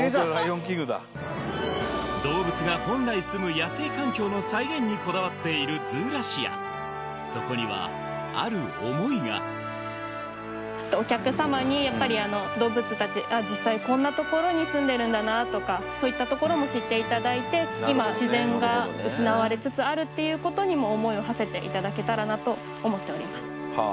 動物が本来すむ野生環境の再現にこだわっているズーラシアそこにはある思いがお客様にやっぱりとかそういったところも知っていただいて今自然が失われつつあるっていうことにも思いをはせていただけたらなと思っております